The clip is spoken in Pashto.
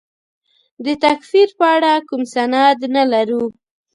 د تکفیر په اړه کوم سند نه لرو.